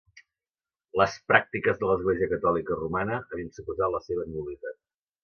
Les pràctiques de l'Església catòlica romana havien suposat la seva nul·litat.